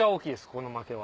この負けは。